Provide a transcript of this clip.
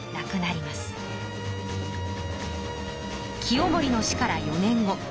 清盛の死から４年後。